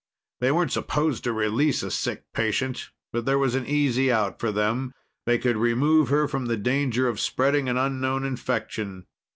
They weren't supposed to release a sick patient, but there was an easy out for them; they could remove her from the danger of spreading an unknown infection.